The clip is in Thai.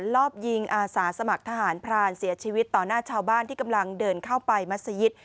รอบยิงอาสาสมัครทหารพรานเสียชีวิตต่อหน้าชาวบ้านที่กำลังเดินเข้าไปมัศยิต